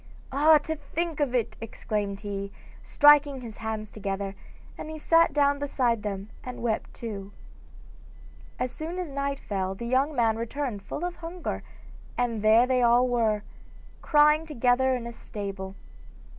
'Ah, to think of it!' exclaimed he, striking his hands together, and he sat down beside them and wept too. As soon as night fell the young man returned full of hunger, and there they were, all crying together in the stable.